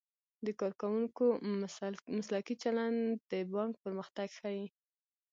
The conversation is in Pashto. د کارکوونکو مسلکي چلند د بانک پرمختګ ښيي.